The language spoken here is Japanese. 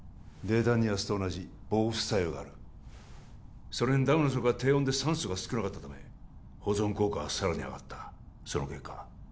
泥炭には酢と同じ防腐作用があるそれにダムの底は低温で酸素が少なかったため保存効果はさらに上がったその結果